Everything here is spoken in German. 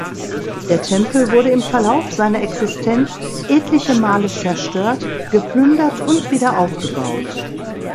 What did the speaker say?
Der Tempel wurde im Verlauf seiner Existenz etliche Male zerstört, geplündert und wieder aufgebaut.